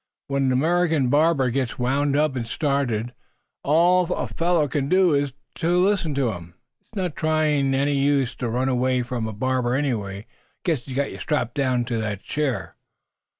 "When an American barber gets wound up and started, all a fellow can do is to listen. It's no use trying to run away from a barber anywhere, I guess. He has you strapped down to the chair."